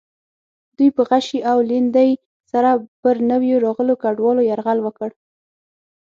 دوی په غشي او لیندۍ سره پر نویو راغلو کډوالو یرغل وکړ.